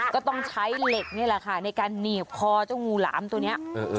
ก็ต้องใช้เหล็กนี่แหละค่ะในการหนีบคอเจ้างูหลามตัวนี้